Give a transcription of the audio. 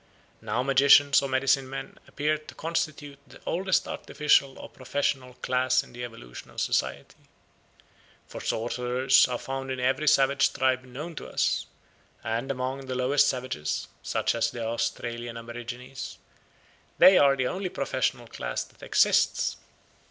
Now magicians or medicine men appear to constitute the oldest artificial or professional class in the evolution of society. For sorcerers are found in every savage tribe known to us; and among the lowest savages, such as the Australian aborigines, they are the only professional class that exists.